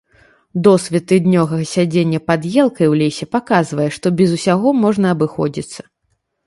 Досвед тыднёвага сядзення пад елкай у лесе паказвае, што без усяго можна абыходзіцца.